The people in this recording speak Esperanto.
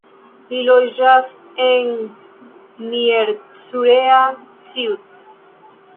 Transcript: Li loĝas en Miercurea Ciuc.